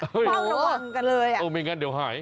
เฝ้าระวังกันเลย